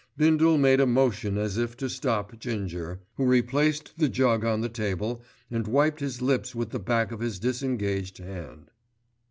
Bindle made a motion as if to stop Ginger, who replaced the jug on the table and wiped his lips with the back of his disengaged hand.